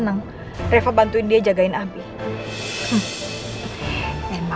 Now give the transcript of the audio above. aku harus bikin perhitungan sama reva